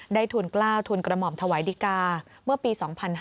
ทุนกล้าวทุนกระหม่อมถวายดิกาเมื่อปี๒๕๕๙